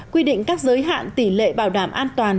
quy định các giới hạn tỷ lệ bảo đảm an toàn